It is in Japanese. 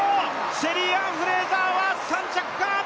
シェリーアン・フレイザーは３着か。